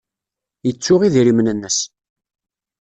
Yettu idrimen-nnes.